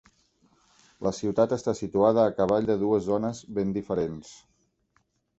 La ciutat està situada a cavall de dues zones ben diferents.